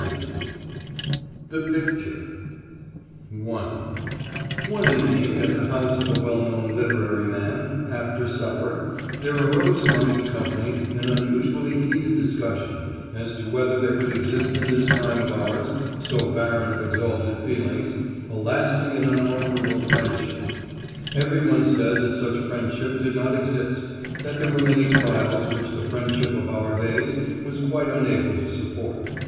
V THE PICTURE I One evening, at the house of a well known literary man, after supper, there arose among the company an unusually heated discussion as to whether there could exist in this time of ours, so barren of exalted feelings, a lasting and unalterable friendship. Everyone said that such friendship did not exist; that there were many trials which the friendship of our days was quite unable to support.